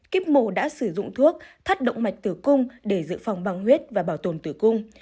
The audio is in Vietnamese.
kiếp mổ đã sử dụng thuốc thắt động mạch tử cung để giữ phòng băng huyết và bảo tồn tử cung